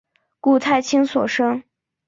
顾太清所生。